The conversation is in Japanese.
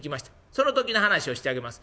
その時の話をしてあげます」。